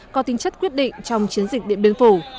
có tính chất quyết định trong chiến dịch điện biên phủ